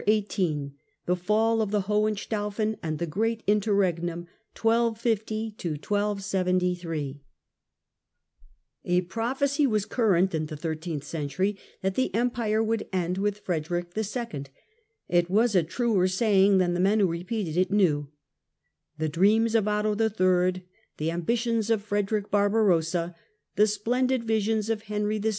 CHAPTEE XVIII THE FALL OF THE HOHENSTAUFEN AND THE GREAT INTERREGNUM [1250 1273] APEOPHECY was current in the thirteenth century tliat the Empire would end with Frederick II. It was a truer saying than the men who repeated it knew. The dreams of Otto III, the ambitions of Frederick Barbarossa, the splendid visions of Henry VI.